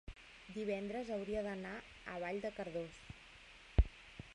divendres hauria d'anar a Vall de Cardós.